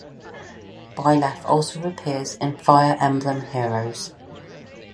Byleth also appears in "Fire Emblem Heroes".